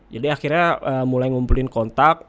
jadi akhirnya mulai ngumpulin kontak